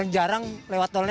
jarang lewat tolnya